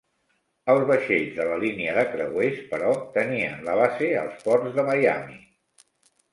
Els vaixells de la línia de creuers, però, tenien la base als ports de Miami.